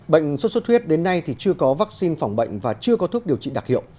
bệnh sốt xuất huyết đến nay thì chưa có vaccine phòng bệnh và chưa có thuốc điều trị đặc hiệu